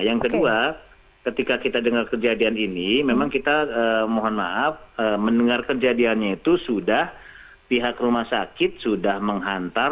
yang kedua ketika kita dengar kejadian ini memang kita mohon maaf mendengar kejadiannya itu sudah pihak rumah sakit sudah menghantar